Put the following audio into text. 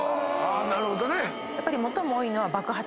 なるほどね。